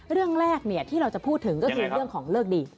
เรื่องแรกที่เราจะพูดถึงก็คือเรื่องของเลิกดี